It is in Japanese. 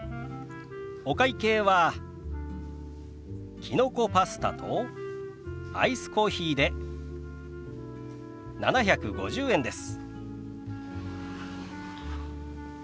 お会計はきのこパスタとアイスコーヒーで７５０円です。